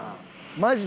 マジで。